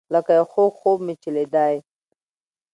لکه یو خوږ خوب چې مې لیدی.